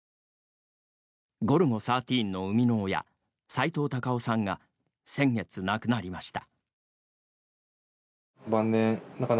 「ゴルゴ１３」の生みの親さいとう・たかをさんが先月、亡くなりました。